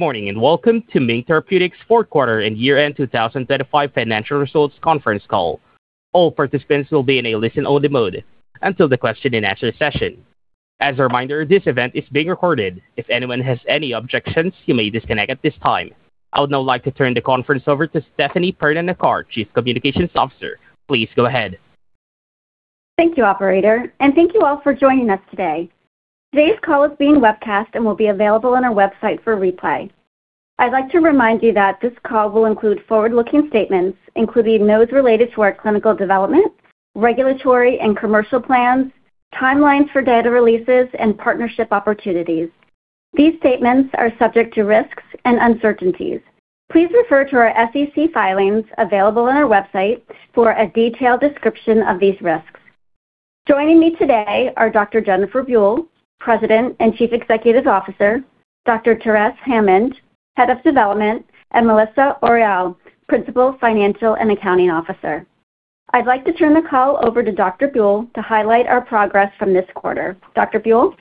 Good morning, and welcome to MiNK Therapeutics' fourth quarter and year-end 2025 financial results conference call. All participants will be in a listen-only mode until the question and answer session. As a reminder, this event is being recorded. If anyone has any objections, you may disconnect at this time. I would now like to turn the conference over to Stefanie Perna-Nacar, Chief Communications Officer. Please go ahead. Thank you, operator, and thank you all for joining us today. Today's call is being webcast and will be available on our website for replay. I'd like to remind you that this call will include forward-looking statements, including those related to our clinical development, regulatory and commercial plans, timelines for data releases, and partnership opportunities. These statements are subject to risks and uncertainties. Please refer to our SEC filings available on our website for a detailed description of these risks. Joining me today are Dr. Jennifer Buell, President and Chief Executive Officer, Dr. Terese Hammond, Head of Development, and Melissa Orilall, Principal Financial and Accounting Officer. I'd like to turn the call over to Dr. Buell to highlight our progress from this quarter. Dr. Buell?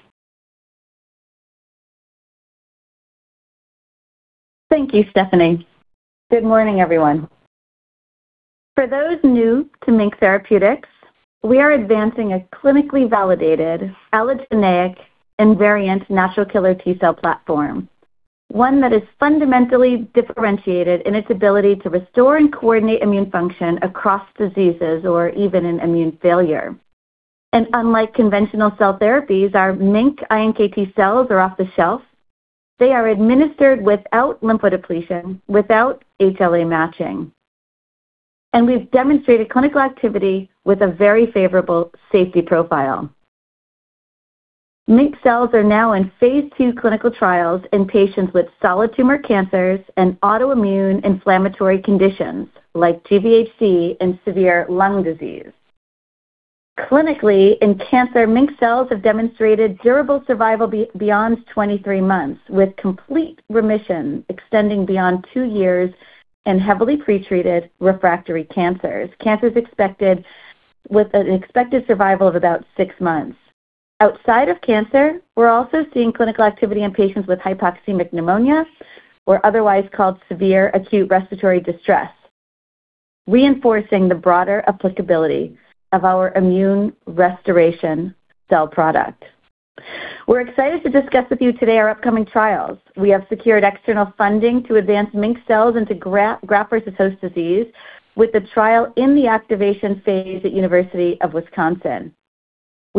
Thank you, Stefanie. Good morning, everyone. For those new to MiNK Therapeutics, we are advancing a clinically validated allogeneic invariant natural killer T-cell platform, one that is fundamentally differentiated in its ability to restore and coordinate immune function across diseases or even in immune failure. Unlike conventional cell therapies, our MiNK iNKT cells are off-the-shelf. They are administered without lymphodepletion, without HLA matching. We've demonstrated clinical activity with a very favorable safety profile. MiNK cells are now in phase II clinical trials in patients with solid tumor cancers and autoimmune inflammatory conditions like GVHD and severe lung disease. Clinically, in cancer, MiNK cells have demonstrated durable survival beyond 23 months, with complete remission extending beyond two years in heavily pretreated refractory cancers with an expected survival of about six months. Outside of cancer, we're also seeing clinical activity in patients with hypoxemic pneumonia or otherwise called severe acute respiratory distress, reinforcing the broader applicability of our immune restoration cell product. We're excited to discuss with you today our upcoming trials. We have secured external funding to advance MiNK cells into graft versus host disease with a trial in the activation phase at University of Wisconsin.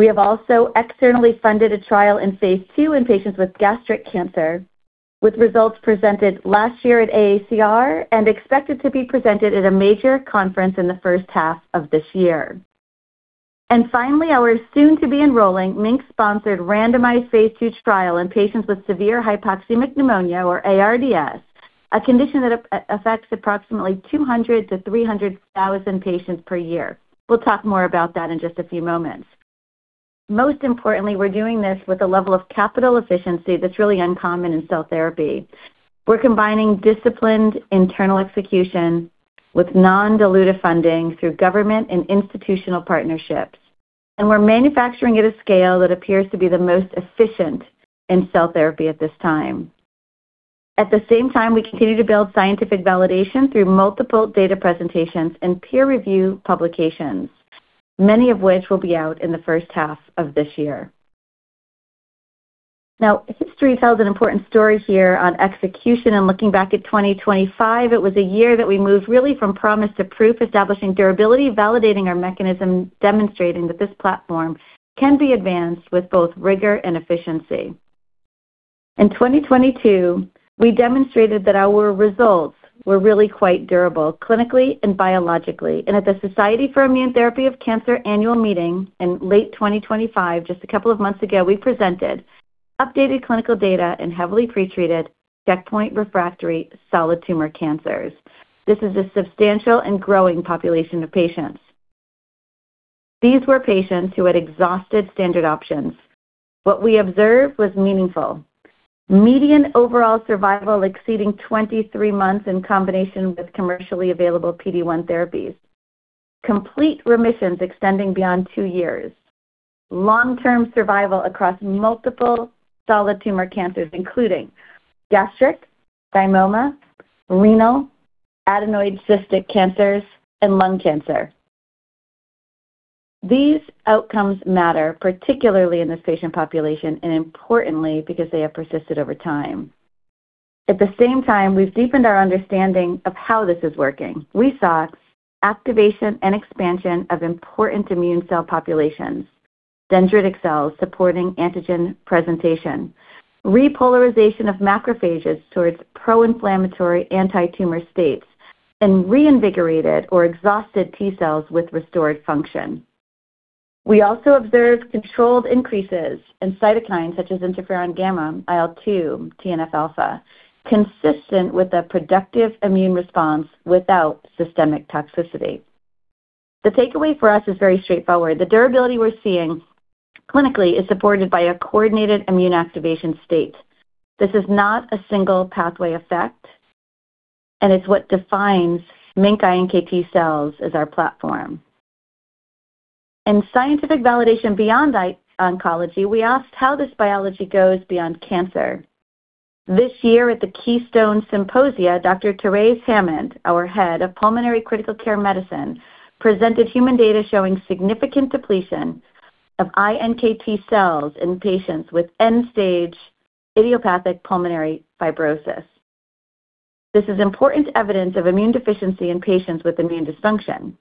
We have also externally funded a trial in phase II in patients with gastric cancer, with results presented last year at AACR and expected to be presented at a major conference in the first half of this year. Finally, our soon-to-be enrolling MiNK-sponsored randomized phase II trial in patients with severe hypoxemic pneumonia or ARDS, a condition that affects approximately 200,000-300,000 patients per year. We'll talk more about that in just a few moments. Most importantly, we're doing this with a level of capital efficiency that's really uncommon in cell therapy. We're combining disciplined internal execution with non-dilutive funding through government and institutional partnerships, and we're manufacturing at a scale that appears to be the most efficient in cell therapy at this time. At the same time, we continue to build scientific validation through multiple data presentations and peer review publications, many of which will be out in the first half of this year. Now, history tells an important story here on execution, and looking back at 2025, it was a year that we moved really from promise to proof, establishing durability, validating our mechanism, demonstrating that this platform can be advanced with both rigor and efficiency. In 2022, we demonstrated that our results were really quite durable, clinically and biologically. At the Society for Immunotherapy of Cancer annual meeting in late 2025, just a couple of months ago, we presented updated clinical data in heavily pretreated checkpoint refractory solid tumor cancers. This is a substantial and growing population of patients. These were patients who had exhausted standard options. What we observed was meaningful. Median overall survival exceeding 23 months in combination with commercially available PD-1 therapies. Complete remissions extending beyond two years. Long-term survival across multiple solid tumor cancers, including gastric, thymoma, renal, adenoid cystic cancers, and lung cancer. These outcomes matter, particularly in this patient population, and importantly, because they have persisted over time. At the same time, we've deepened our understanding of how this is working. We saw activation and expansion of important immune cell populations, dendritic cells supporting antigen presentation, repolarization of macrophages towards pro-inflammatory antitumor states, and reinvigorated or exhausted T-cells with restored function. We also observed controlled increases in cytokines such as interferon gamma, IL-2, TNF alpha, consistent with a productive immune response without systemic toxicity. The takeaway for us is very straightforward. The durability we're seeing clinically is supported by a coordinated immune activation state. This is not a single pathway effect, and it's what defines MiNK iNKT cells as our platform. In scientific validation beyond immuno-oncology, we asked how this biology goes beyond cancer. This year at the Keystone Symposia, Dr. Terese Hammond, our Head of Inflammatory and Pulmonary Diseases, presented human data showing significant depletion of iNKT cells in patients with end-stage idiopathic pulmonary fibrosis. This is important evidence of immune deficiency in patients with immune dysfunction.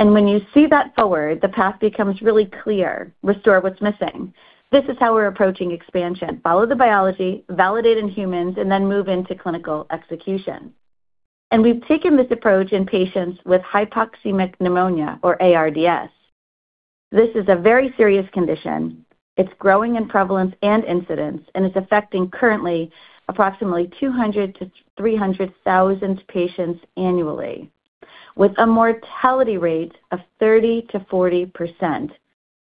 When you see that forward, the path becomes really clear, restore what's missing. This is how we're approaching expansion. Follow the biology, validate in humans, and then move into clinical execution. We've taken this approach in patients with hypoxemic pneumonia or ARDS. This is a very serious condition. It's growing in prevalence and incidence, and it's affecting currently approximately 200,000-300,000 patients annually with a mortality rate of 30%-40%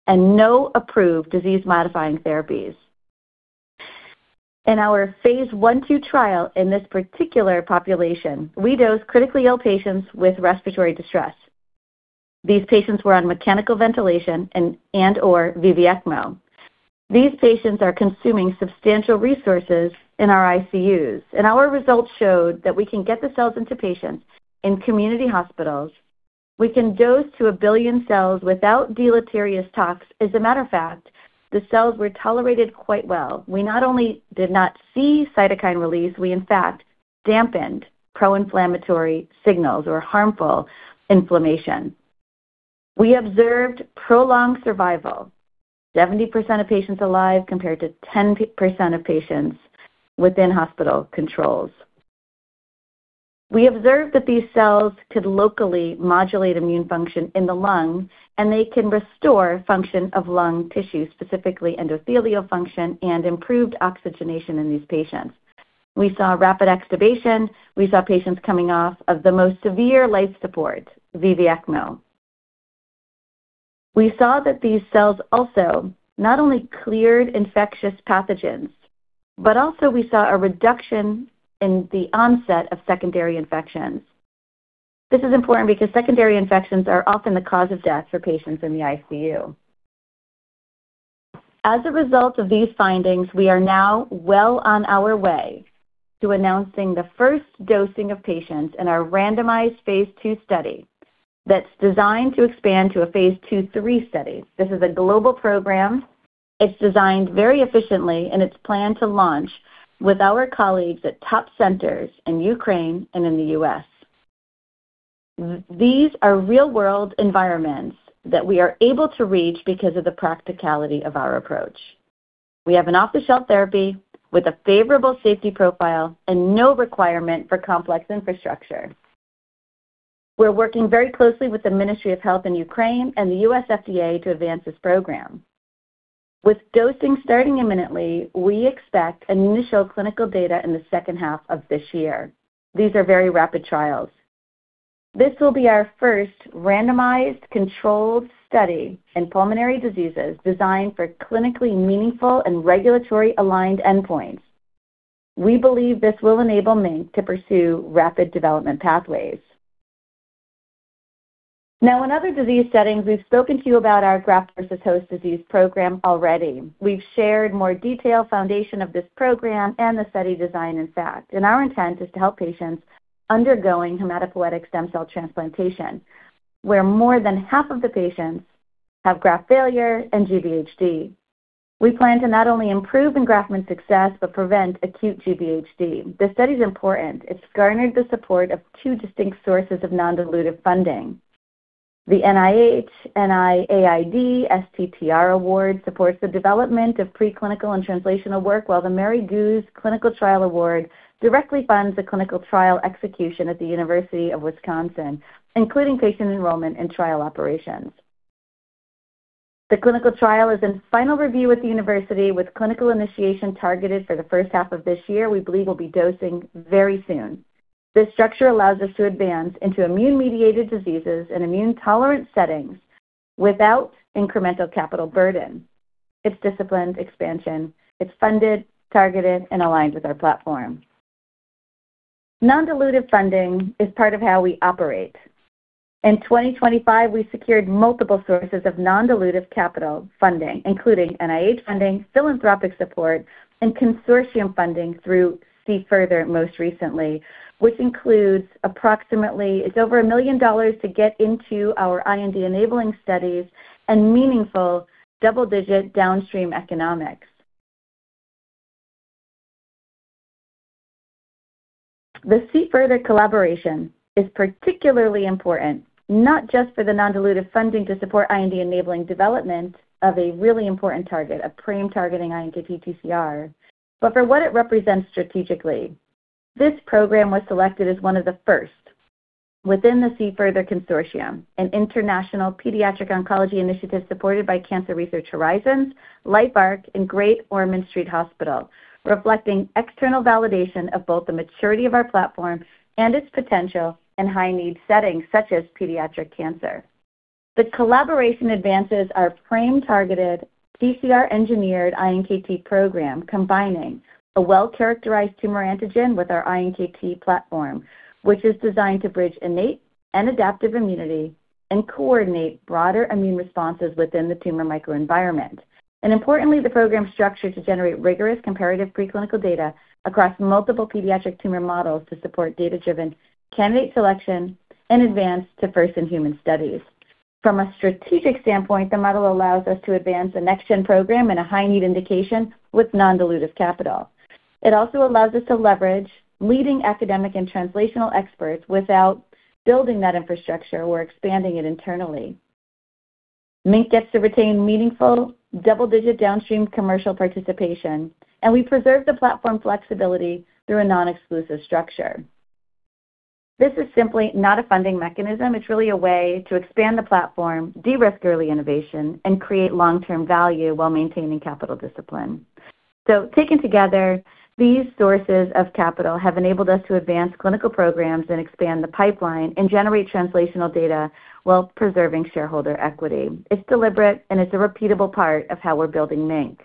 and no approved disease-modifying therapies. In our phase I/II trial in this particular population, we dosed critically ill patients with respiratory distress. These patients were on mechanical ventilation and/or VV-ECMO. These patients are consuming substantial resources in our ICUs, and our results showed that we can get the cells into patients in community hospitals. We can dose to 1 billion cells without deleterious tox. As a matter of fact, the cells were tolerated quite well. We not only did not see cytokine release, we in fact dampened pro-inflammatory signals or harmful inflammation. We observed prolonged survival, 70% of patients alive compared to 10% of patients within hospital controls. We observed that these cells could locally modulate immune function in the lung, and they can restore function of lung tissue, specifically endothelial function and improved oxygenation in these patients. We saw rapid extubation. We saw patients coming off of the most severe life support, VV-ECMO. We saw that these cells also not only cleared infectious pathogens, but also we saw a reduction in the onset of secondary infections. This is important because secondary infections are often the cause of death for patients in the ICU. As a result of these findings, we are now well on our way to announcing the first dosing of patients in our randomized phase II study that's designed to expand to a phase II/III study. This is a global program. It's designed very efficiently, and it's planned to launch with our colleagues at top centers in Ukraine and in the U.S. These are real-world environments that we are able to reach because of the practicality of our approach. We have an off-the-shelf therapy with a favorable safety profile and no requirement for complex infrastructure. We're working very closely with the Ministry of Health in Ukraine and the U.S. FDA to advance this program. With dosing starting imminently, we expect initial clinical data in the second half of this year. These are very rapid trials. This will be our first randomized controlled study in pulmonary diseases designed for clinically meaningful and regulatory-aligned endpoints. We believe this will enable MiNK to pursue rapid development pathways. Now in other disease settings, we've spoken to you about our graft versus host disease program already. We've shared more detailed foundation of this program and the study design, in fact, and our intent is to help patients undergoing hematopoietic stem cell transplantation, where more than half of the patients have graft failure and GVHD. We plan to not only improve engraftment success, but prevent acute GVHD. The study's important. It's garnered the support of two distinct sources of non-dilutive funding. The NIH/NIAID STTR award supports the development of preclinical and translational work, while the Mary Goos Clinical Trial Award directly funds the clinical trial execution at the University of Wisconsin, including patient enrollment and trial operations. The clinical trial is in final review at the university with clinical initiation targeted for the first half of this year. We believe we'll be dosing very soon. This structure allows us to advance into immune-mediated diseases in immune-tolerant settings without incremental capital burden. It's disciplined expansion. It's funded, targeted, and aligned with our platform. Non-dilutive funding is part of how we operate. In 2025, we secured multiple sources of non-dilutive capital funding, including NIH funding, philanthropic support, and consortium funding through C-Further most recently, which includes over $1 million to get into our IND-enabling studies and meaningful double-digit downstream economics. The C-Further collaboration is particularly important, not just for the non-dilutive funding to support IND-enabling development of a really important target, a PRAME-targeting iNKT TCR, but for what it represents strategically. This program was selected as one of the first within the C-Further Consortium, an international pediatric oncology initiative supported by Cancer Research Horizons, LifeArc, and Great Ormond Street Hospital, reflecting external validation of both the maturity of our platform and its potential in high-need settings such as pediatric cancer. The collaboration advances our PRAME-targeted TCR-engineered iNKT program, combining a well-characterized tumor antigen with our iNKT platform, which is designed to bridge innate and adaptive immunity and coordinate broader immune responses within the tumor microenvironment. Importantly, the program is structured to generate rigorous comparative preclinical data across multiple pediatric tumor models to support data-driven candidate selection in advance to first-in-human studies. From a strategic standpoint, the model allows us to advance a next-gen program in a high-need indication with non-dilutive capital. It also allows us to leverage leading academic and translational experts without building that infrastructure or expanding it internally. MiNK gets to retain meaningful double-digit downstream commercial participation, and we preserve the platform flexibility through a non-exclusive structure. This is simply not a funding mechanism. It's really a way to expand the platform, de-risk early innovation, and create long-term value while maintaining capital discipline. Taken together, these sources of capital have enabled us to advance clinical programs and expand the pipeline and generate translational data while preserving shareholder equity. It's deliberate, and it's a repeatable part of how we're building MiNK.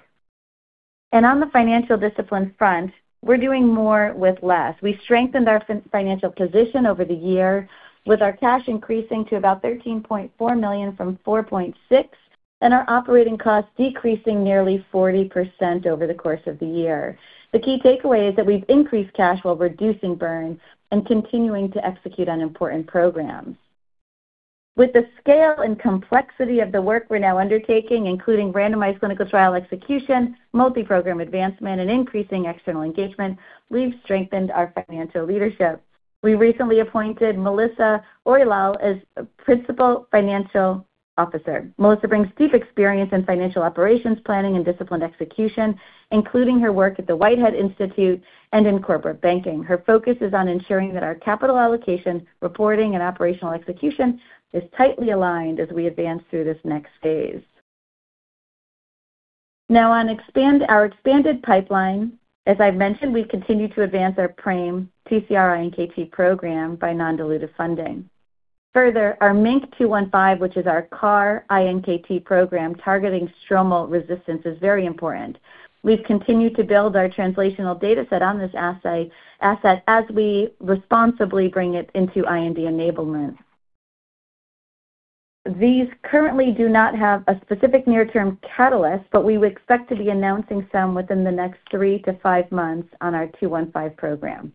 On the financial discipline front, we're doing more with less. We strengthened our financial position over the year with our cash increasing to about $13.4 million from $4.6 million, and our operating costs decreasing nearly 40% over the course of the year. The key takeaway is that we've increased cash while reducing burn and continuing to execute on important programs. With the scale and complexity of the work we're now undertaking, including randomized clinical trial execution, multi-program advancement, and increasing external engagement, we've strengthened our financial leadership. We recently appointed Melissa Orilall as Principal Financial Officer. Melissa brings deep experience in financial operations, planning, and disciplined execution, including her work at the Whitehead Institute and in corporate banking. Her focus is on ensuring that our capital allocation, reporting, and operational execution is tightly aligned as we advance through this next phase. Now our expanded pipeline, as I've mentioned, we continue to advance our PRAME TCR iNKT program by non-dilutive funding. Further, our MiNK-215, which is our CAR-iNKT program targeting stromal resistance, is very important. We've continued to build our translational data set on this asset as we responsibly bring it into IND enablement. These currently do not have a specific near-term catalyst, but we would expect to be announcing some within the next three to five months on our 215 program.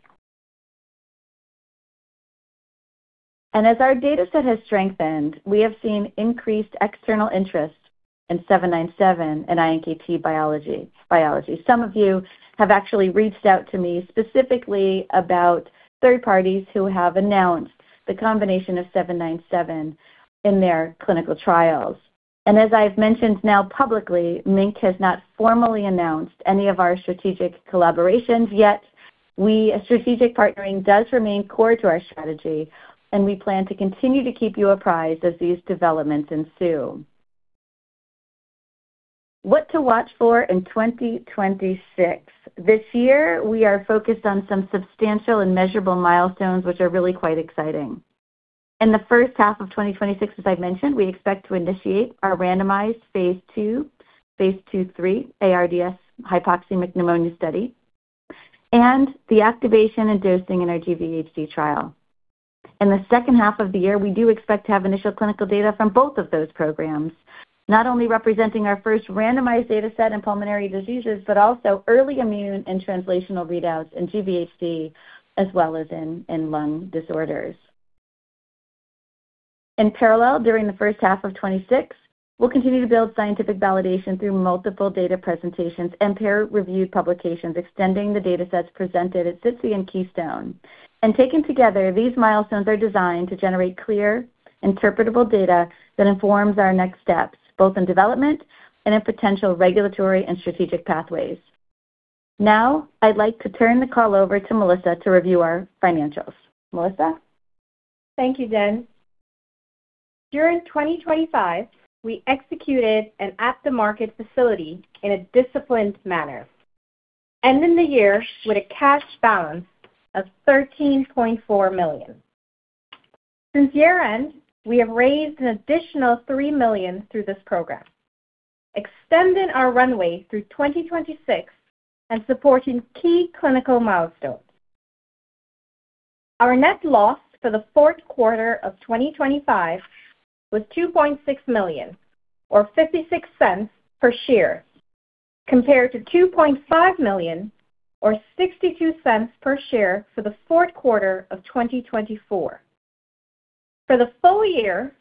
As our data set has strengthened, we have seen increased external interest in 797 and iNKT biology. Some of you have actually reached out to me specifically about third parties who have announced the combination of 797 in their clinical trials. As I've mentioned now publicly, MiNK has not formally announced any of our strategic collaborations yet. Strategic partnering does remain core to our strategy, and we plan to continue to keep you apprised as these developments ensue. What to watch for in 2026. This year, we are focused on some substantial and measurable milestones, which are really quite exciting. In the first half of 2026, as I've mentioned, we expect to initiate our randomized phase II/III ARDS hypoxemic pneumonia study and the activation and dosing in our GVHD trial. In the second half of the year, we do expect to have initial clinical data from both of those programs, not only representing our first randomized data set in pulmonary diseases, but also early immune and translational readouts in GVHD as well as in lung disorders. In parallel, during the first half of 2026, we'll continue to build scientific validation through multiple data presentations and peer-reviewed publications, extending the data sets presented at SITC and Keystone. Taken together, these milestones are designed to generate clear, interpretable data that informs our next steps, both in development and in potential regulatory and strategic pathways. Now, I'd like to turn the call over to Melissa to review our financials. Melissa. Thank you, Jen. During 2025, we executed an at-the-market facility in a disciplined manner, ending the year with a cash balance of $13.4 million. Since year-end, we have raised an additional $3 million through this program, extending our runway through 2026 and supporting key clinical milestones. Our net loss for the fourth quarter of 2025 was $2.6 million or $0.56 per share, compared to $2.5 million or $0.62 per share for the fourth quarter of 2024. For the full year,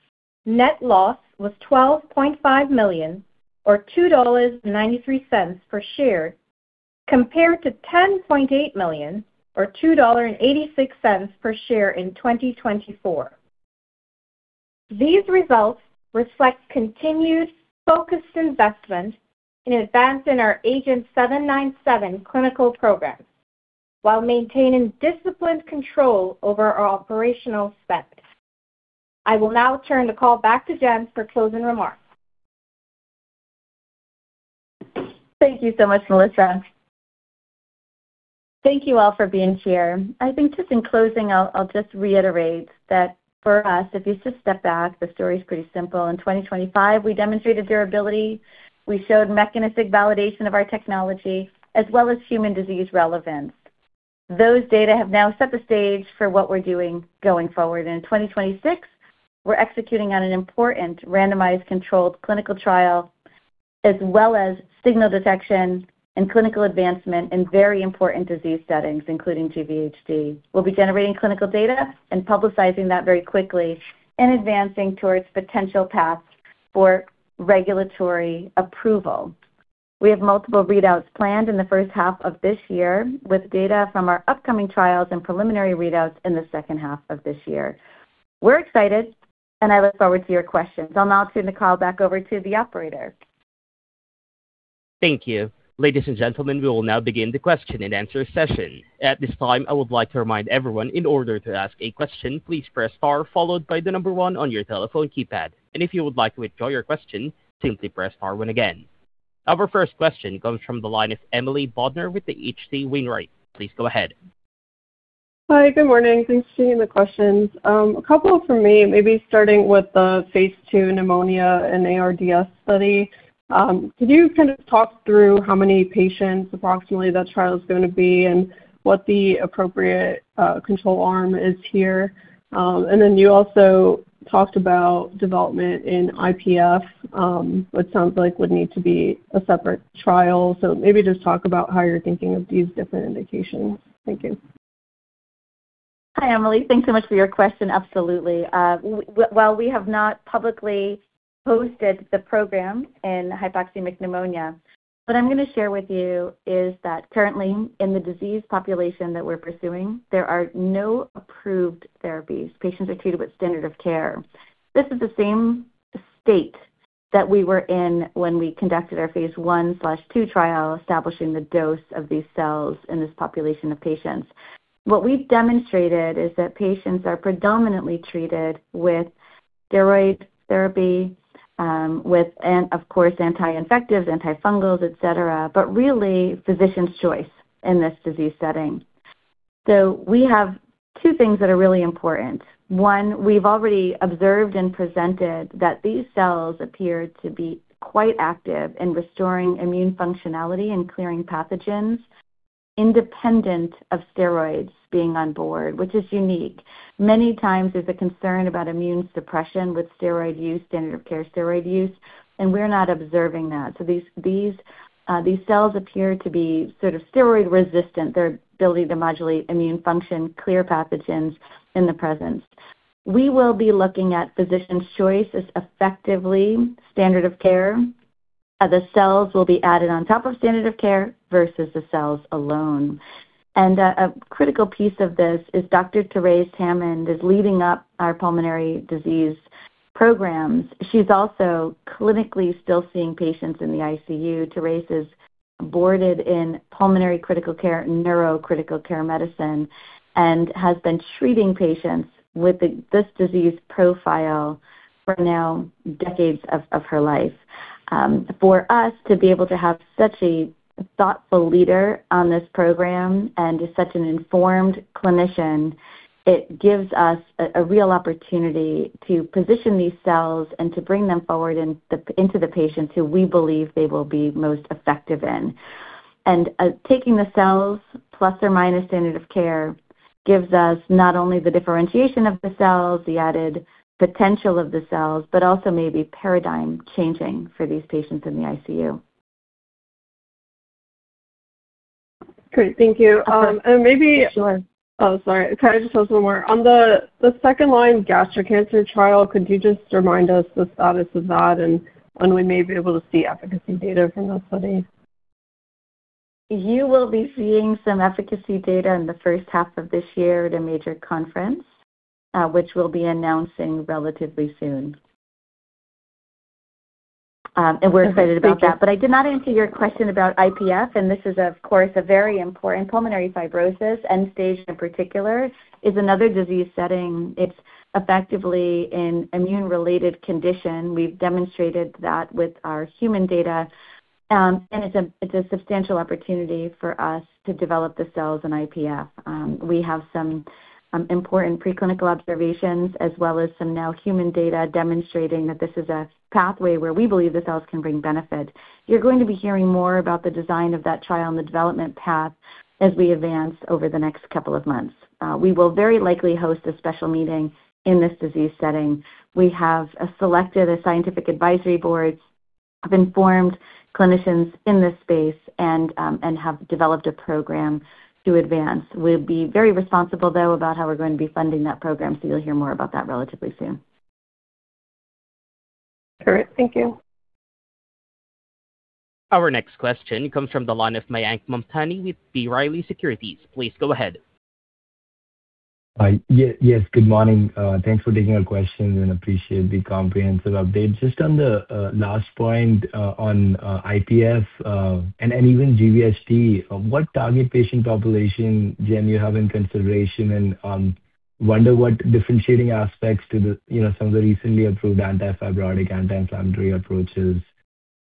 net loss was $12.5 million or $2.93 per share, compared to $10.8 million or $2.86 per share in 2024. These results reflect continued focused investment in advancing our agenT-797 clinical programs while maintaining disciplined control over our operational spend. I will now turn the call back to Jen for closing remarks. Thank you so much, Melissa. Thank you all for being here. I think just in closing, I'll just reiterate that for us, if you just step back, the story is pretty simple. In 2025, we demonstrated durability. We showed mechanistic validation of our technology as well as human disease relevance. Those data have now set the stage for what we're doing going forward. In 2026, we're executing on an important randomized controlled clinical trial as well as signal detection and clinical advancement in very important disease settings, including GVHD. We'll be generating clinical data and publicizing that very quickly and advancing towards potential paths for regulatory approval. We have multiple readouts planned in the first half of this year, with data from our upcoming trials and preliminary readouts in the second half of this year. We're excited, and I look forward to your questions. I'll now turn the call back over to the operator. Thank you. Ladies and gentlemen, we will now begin the question-and-answer session. At this time, I would like to remind everyone in order to ask a question, please press star followed by one on your telephone keypad. If you would like to withdraw your question, simply press star one again. Our first question comes from the line of Emily Bodnar with H.C. Wainwright. Please go ahead. Hi. Good morning. Thanks for taking the questions. A couple from me, maybe starting with the phase II pneumonia and ARDS study. Could you kind of talk through how many patients approximately that trial is gonna be and what the appropriate control arm is here? Then you also talked about development in IPF, which sounds like would need to be a separate trial. Maybe just talk about how you're thinking of these different indications. Thank you. Hi, Emily. Thanks so much for your question. Absolutely. While we have not publicly posted the program in hypoxemic pneumonia, what I'm gonna share with you is that currently in the disease population that we're pursuing, there are no approved therapies. Patients are treated with standard of care. This is the same state that we were in when we conducted our phase I/II trial, establishing the dose of these cells in this population of patients. What we've demonstrated is that patients are predominantly treated with steroid therapy, with and of course, anti-infectives, antifungals, et cetera, but really physician's choice in this disease setting. We have two things that are really important. One, we've already observed and presented that these cells appear to be quite active in restoring immune functionality and clearing pathogens independent of steroids being on board, which is unique. Many times there's a concern about immune suppression with steroid use, standard of care steroid use, and we're not observing that. These cells appear to be sort of steroid resistant, their ability to modulate immune function, clear pathogens in the presence. We will be looking at physician's choice as effectively standard of care. The cells will be added on top of standard of care versus the cells alone. A critical piece of this is Dr. Terese Hammond is leading up our pulmonary disease programs. She's also clinically still seeing patients in the ICU. Terese is board-certified in pulmonary critical care, neuro critical care medicine, and has been treating patients with this disease profile for now decades of her life. For us to be able to have such a thoughtful leader on this program and is such an informed clinician, it gives us a real opportunity to position these cells and to bring them forward into the patients who we believe they will be most effective in. Taking the cells plus or minus standard of care gives us not only the differentiation of the cells, the added potential of the cells, but also maybe paradigm changing for these patients in the ICU. Great. Thank you. Maybe Sure. Oh, sorry. Can I just ask one more? On the second-line gastric cancer trial, could you just remind us the status of that and when we may be able to see efficacy data from that study? You will be seeing some efficacy data in the first half of this year at a major conference, which we'll be announcing relatively soon. We're excited about that. I did not answer your question about IPF, and this is of course a very important pulmonary fibrosis, end stage in particular, is another disease setting. It's effectively an immune-related condition. We've demonstrated that with our human data, and it's a substantial opportunity for us to develop the cells in IPF. We have some important preclinical observations as well as some human data demonstrating that this is a pathway where we believe the cells can bring benefit. You're going to be hearing more about the design of that trial and the development path as we advance over the next couple of months. We will very likely host a special meeting in this disease setting. We have selected a scientific advisory board of informed clinicians in this space and have developed a program to advance. We'll be very responsible, though, about how we're going to be funding that program, so you'll hear more about that relatively soon. Great. Thank you. Our next question comes from the line of Mayank Mamtani with B. Riley Securities. Please go ahead. Yes, good morning. Thanks for taking our questions and appreciate the comprehensive update. Just on the last point on IPF and even GVHD, what target patient population, Jen, you have in consideration and wonder what differentiating aspects to the you know, some of the recently approved anti-fibrotic, anti-inflammatory approaches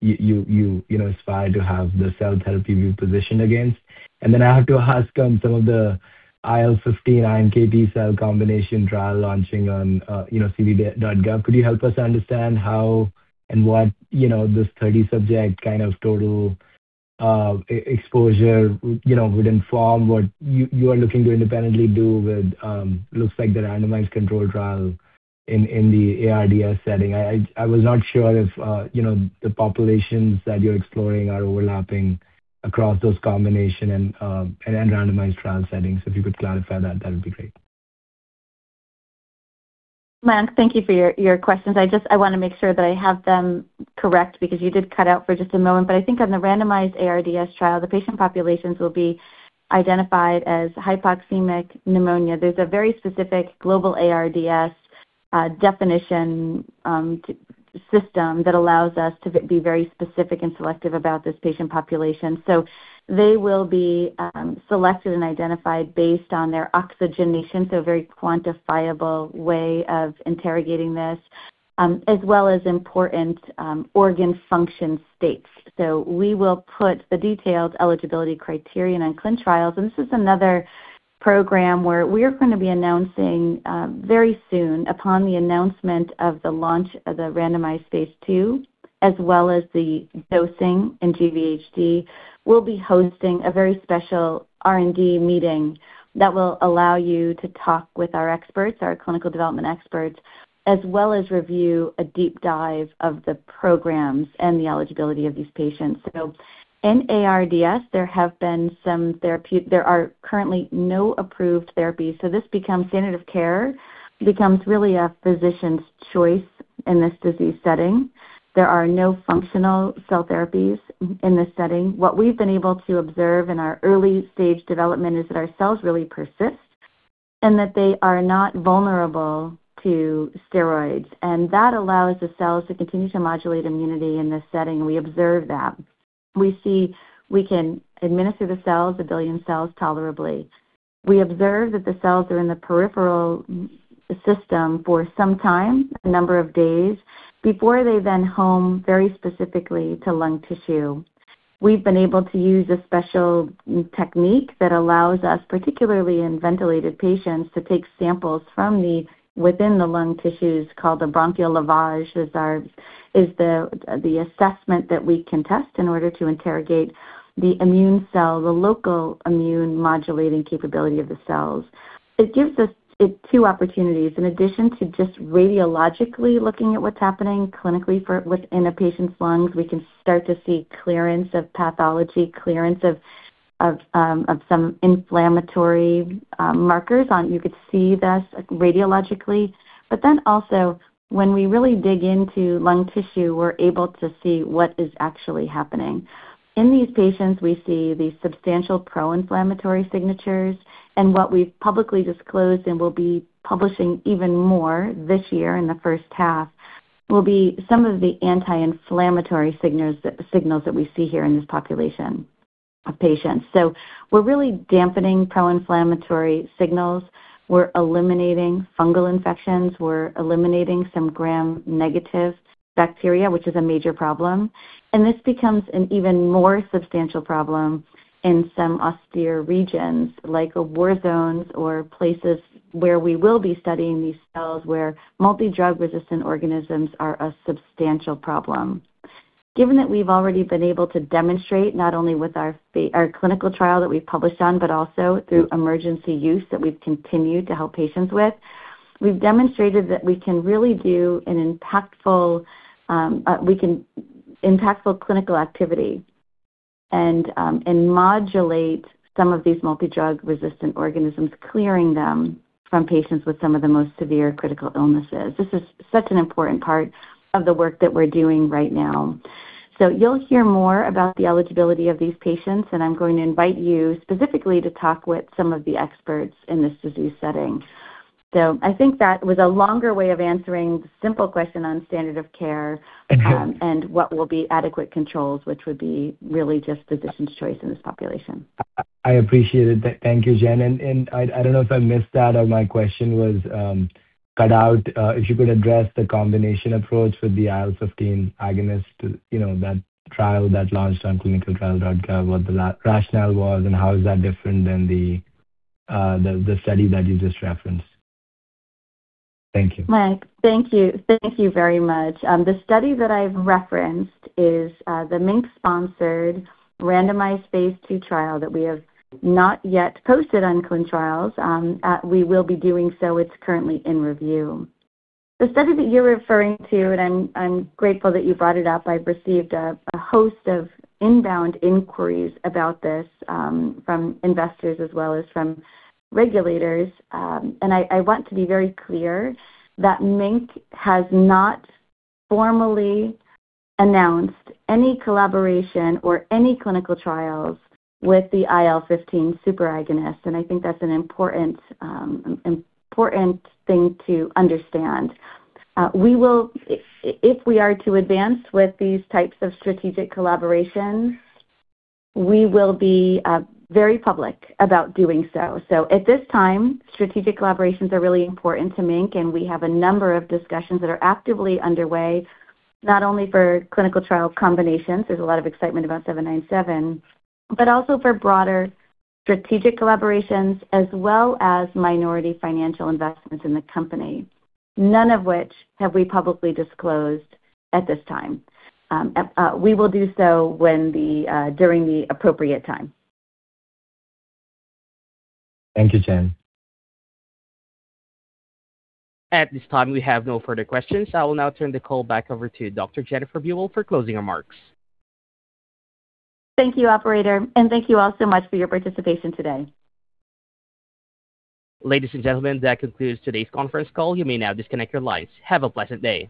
you know aspire to have the cell therapy you positioned against. Then I have to ask on some of the IL-15 iNKT cell combination trial launching on you know, ClinicalTrials.gov. Could you help us understand how and what you know, this 30-subject kind of total exposure you know, would inform what you are looking to independently do with looks like the randomized controlled trial in the ARDS setting. I was not sure if, you know, the populations that you're exploring are overlapping across those combination and randomized trial settings. If you could clarify that would be great. Mayank, thank you for your questions. I just wanna make sure that I have them correct because you did cut out for just a moment. I think on the randomized ARDS trial, the patient populations will be identified as hypoxemic pneumonia. There's a very specific global ARDS definition to system that allows us to be very specific and selective about this patient population. They will be selected and identified based on their oxygenation, a very quantifiable way of interrogating this, as well as important organ function states. We will put the detailed eligibility criterion on ClinicalTrials.gov, and this is another program where we're gonna be announcing very soon upon the announcement of the launch of the randomized phase II, as well as the dosing in GVHD. We'll be hosting a very special R&D meeting that will allow you to talk with our experts, our clinical development experts, as well as review a deep dive of the programs and the eligibility of these patients. In ARDS, there are currently no approved therapies, so this becomes standard of care, really a physician's choice in this disease setting. There are no functional cell therapies in this setting. What we've been able to observe in our early stage development is that our cells really persist and that they are not vulnerable to steroids, and that allows the cells to continue to modulate immunity in this setting. We observe that. We see we can administer the cells, 1 billion cells, tolerably. We observe that the cells are in the peripheral system for some time, a number of days before they then home very specifically to lung tissue. We've been able to use a special technique that allows us, particularly in ventilated patients, to take samples from within the lung tissues called a bronchoalveolar lavage, the assessment that we can test in order to interrogate the immune cell, the local immune modulating capability of the cells. It gives us two opportunities. In addition to just radiologically looking at what's happening clinically within a patient's lungs, we can start to see clearance of pathology, clearance of some inflammatory markers. You could see this radiologically, but then also when we really dig into lung tissue, we're able to see what is actually happening. In these patients, we see these substantial pro-inflammatory signatures and what we've publicly disclosed and will be publishing even more this year in the first half, will be some of the anti-inflammatory signatures, signals that we see here in this population of patients. We're really dampening pro-inflammatory signals. We're eliminating fungal infections. We're eliminating some gram-negative bacteria, which is a major problem. This becomes an even more substantial problem in some austere regions like war zones or places where we will be studying these cells, where multi-drug resistant organisms are a substantial problem. Given that we've already been able to demonstrate not only with our clinical trial that we've published on, but also through emergency use that we've continued to help patients with, we've demonstrated that we can really do an impactful clinical activity and modulate some of these multi-drug resistant organisms, clearing them from patients with some of the most severe critical illnesses. This is such an important part of the work that we're doing right now. You'll hear more about the eligibility of these patients, and I'm going to invite you specifically to talk with some of the experts in this disease setting. I think that was a longer way of answering the simple question on standard of care. Okay. What will be adequate controls, which would be really just physician's choice in this population. I appreciate it. Thank you, Jen. I don't know if I missed that or my question was cut out. If you could address the combination approach with the IL-15 agonist, you know, that trial that launched on clinicaltrials.gov, what the rationale was, and how is that different than the study that you just referenced? Thank you. Mayank, thank you. Thank you very much. The study that I've referenced is the MiNK-sponsored randomized phase II trial that we have not yet posted on ClinicalTrials.gov. We will be doing so. It's currently in review. The study that you're referring to, I'm grateful that you brought it up. I've received a host of inbound inquiries about this from investors as well as from regulators. I want to be very clear that MiNK has not formally announced any collaboration or any clinical trials with the IL-15 superagonist, and I think that's an important thing to understand. If we are to advance with these types of strategic collaborations, we will be very public about doing so. At this time, strategic collaborations are really important to MiNK, and we have a number of discussions that are actively underway, not only for clinical trial combinations, there's a lot of excitement about 797, but also for broader strategic collaborations as well as minority financial investments in the company, none of which have we publicly disclosed at this time. We will do so during the appropriate time. Thank you, Jen. At this time, we have no further questions. I will now turn the call back over to Dr. Jennifer Buell for closing remarks. Thank you, operator, and thank you all so much for your participation today. Ladies and gentlemen, that concludes today's conference call. You may now disconnect your lines. Have a pleasant day.